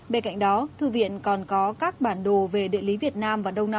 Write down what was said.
bên cạnh đó thư viện còn có các bản đồ về địa lý việt nam và đông nam á